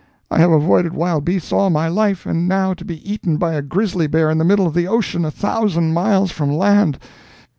I have avoided wild beasts all my life, and now to be eaten by a grizzly bear in the middle of the ocean, a thousand miles from land!